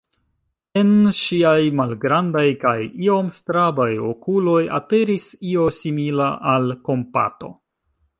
En ŝiaj malgrandaj kaj iom strabaj okuloj aperis io simila al kompato.